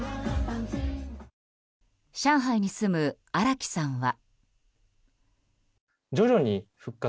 上海に住む荒木さんは。